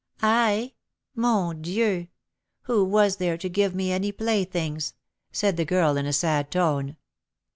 "I? Mon Dieu! who was there to give me any playthings?" said the girl, in a sad tone.